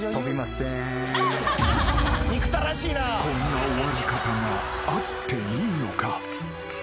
［こんな終わり方があっていいのか？］